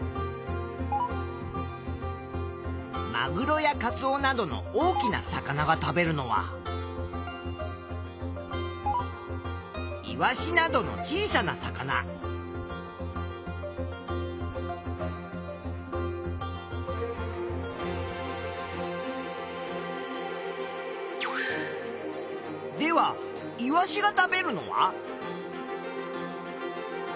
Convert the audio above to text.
マグロやカツオなどの大きな魚が食べるのはイワシなどの小さな魚。ではイワシが食べるのは？